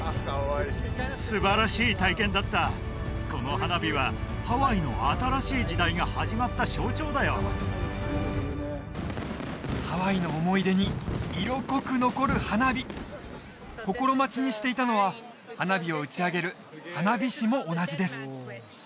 すばらしい体験だったこの花火はハワイの新しい時代が始まった象徴だよハワイの思い出に色濃く残る花火心待ちにしていたのは花火を打ち上げる花火師も同じです